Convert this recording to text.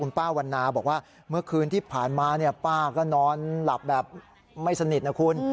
ป้าวันนาบอกว่าเมื่อคืนที่ผ่านมาป้าก็นอนหลับแบบไม่สนิทนะคุณ